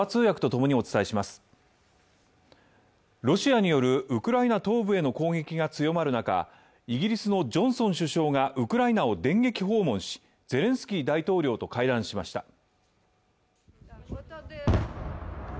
ロシアによるウクライナ東部への攻撃が強まる中イギリスのジョンソン首相がウクライナを電撃訪問し、ゼレンスキー大統領と会談しました。